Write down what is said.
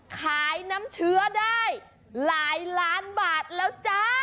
ขายน้ำเชื้อได้หลายล้านบาทแล้วจ้า